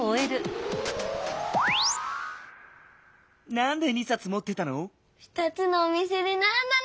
なんで２さつもってたの？